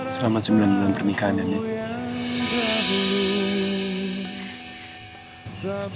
selamat sembilan bulan pernikahan dania